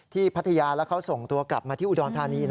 พัทยาแล้วเขาส่งตัวกลับมาที่อุดรธานี